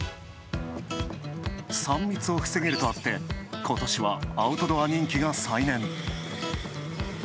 ３密を防げるとあって、今年はアウトドア人気が再燃。